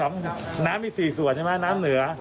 น้ำมี๔ส่วนใช่ไหมน้ำเหนือ